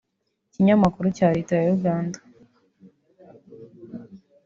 Ikinyamakuru cya Leta ya Uganda